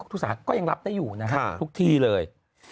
ทุกสาธารณ์ก็ยังรับได้อยู่นะครับทุกที่เลย